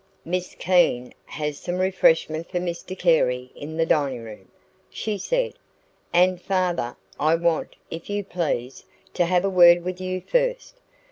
"Miss Keene has some refreshment for Mr Carey in the dining room," she said. "And, father, I want, if you please, to have a word with you first."